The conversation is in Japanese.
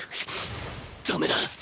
ダメだ！！